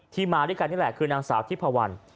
มาด้วยกันนี่แหละคือนางสาวทิพวัน